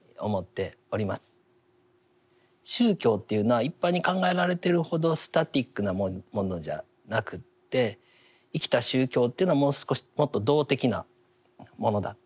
宗教というのは一般に考えられているほどスタティックなものじゃなくて生きた宗教というのはもう少しもっと動的なものだと。